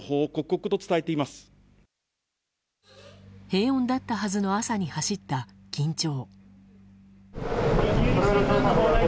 平穏だったはずの朝に走った緊張。